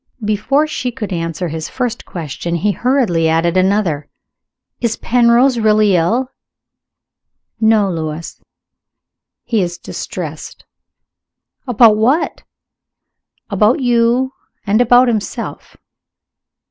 Before she could answer his first question, he hurriedly added another. "Is Penrose really ill?" "No, Lewis. He is distressed." "About what?" "About you, and about himself."